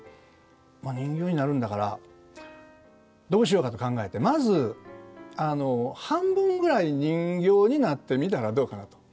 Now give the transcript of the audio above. まあ人形になるんだからどうしようかと考えてまず半分ぐらい人形になってみたらどうかなと。